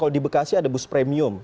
kalau di bekasi ada bus premium